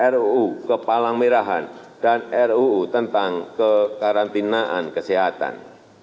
ruu kepalang merahan dan ruu tentang kekarantinaan kesehatan